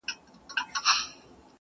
زه اومېدواریم په تیارو کي چي ډېوې لټوم،